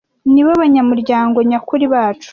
nibo banyamuryango nyakuri bacu